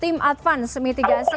tim advance mitigasi